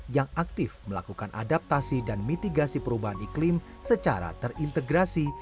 yang aktif melakukan adaptasi dan mitigasi perubahan iklim secara terintegrasi